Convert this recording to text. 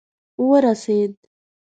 ورسېد.